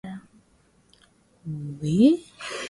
kutoka kambi ya kijeshi ya Kibungo nchini Rwanda